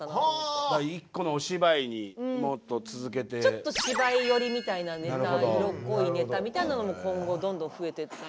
ちょっと芝居寄りみたいなネタ色濃いネタみたいなのも今後どんどん増えてったら。